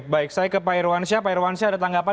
baik saya ke pak irwansyah pak irwansyah ada tanggapan